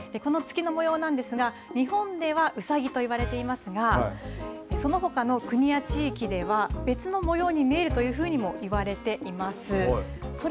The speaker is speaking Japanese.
この月の模様なんですが日本ではうさぎと言われていますがそのほかの国や地域では別の模様に見えると言われています。